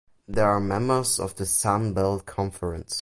They are members of the Sun Belt Conference.